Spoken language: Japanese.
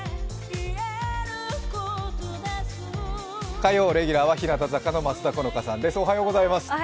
火曜レギュラーは日向坂の松田好花さんです。